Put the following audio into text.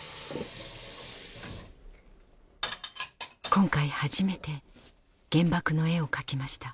今回初めて「原爆の絵」を描きました。